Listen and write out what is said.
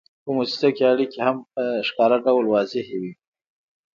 په موسسه کې اړیکې هم په ښکاره ډول واضحې وي.